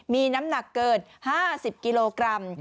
มีน้ำหนักเกิน๕๐กิโลกรัม